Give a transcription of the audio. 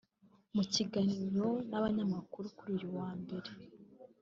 mu kiganiro n’abanyamakuru kuri uyu wa Mbere